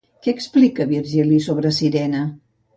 Què explica Virgili sobre Cirene?